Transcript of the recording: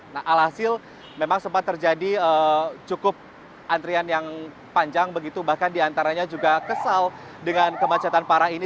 nah alhasil memang sempat terjadi cukup antrian yang panjang begitu bahkan diantaranya juga kesal dengan kemacetan parah ini